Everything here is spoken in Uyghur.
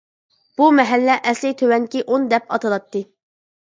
بۇ مەھەللە ئەسلى تۆۋەنكى ئون دەپ ئاتىلاتتى.